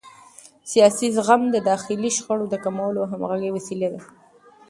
سیاسي زغم د داخلي شخړو د کمولو او همغږۍ وسیله ده